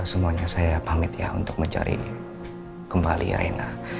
semuanya saya pamit ya untuk mencari kembali reina